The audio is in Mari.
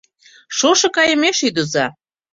Шошо кайымеш ӱдыза: